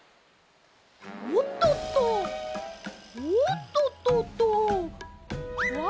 おっとっとおっとっとっとっ。